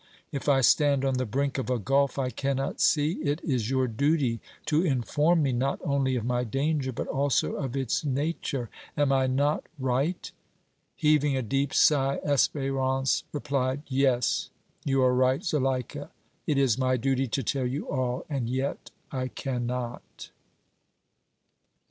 If I stand on the brink of a gulf I cannot see, it is your duty to inform me not only of my danger but also of its nature. Am I not right?" Heaving a deep sigh, Espérance replied: "Yes, you are right, Zuleika; it is my duty to tell you all and yet I cannot!"